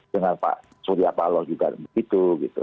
dengan pak surya paloh juga begitu